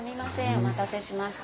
お待たせしました。